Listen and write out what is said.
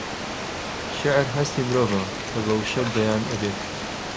شێعر هەستی مرۆڤە کە بە وشە بەیان ئەبێت